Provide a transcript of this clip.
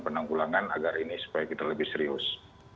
penanggulangan agar ini supaya kita lebih serius